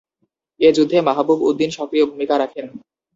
এ যুদ্ধে মাহবুব উদ্দিন সক্রিয় ভূমিকা রাখেন।